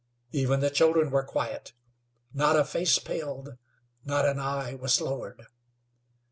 Even the children were quiet. Not a face paled, not an eye was lowered.